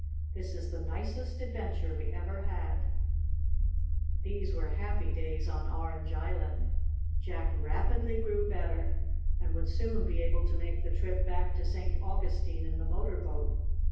"This is the nicest adventure we ever had!" These were happy days on Orange Island. Jack rapidly grew better, and would soon be able to make the trip back to St. Augustine in the motor boat.